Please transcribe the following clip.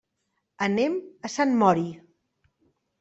Anem a Sant Mori.